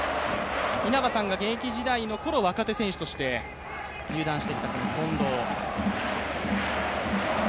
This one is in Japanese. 稲葉さんが現役時代のころ、若手選手として入団してきた、この近藤。